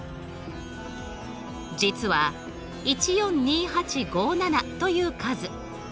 実は１４２８５７という数。